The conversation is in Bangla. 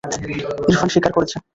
ইরফান স্বীকার করেছে।